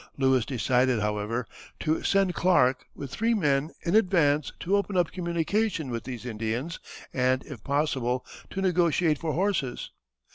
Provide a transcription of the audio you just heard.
Lewis decided, however, to send Clark, with three men, in advance to open up communication with these Indians and, if possible, to negotiate for horses.